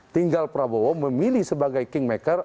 tinggal prabowo memilih sebagai kingmaker